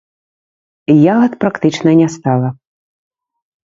Ягад практычна не стала.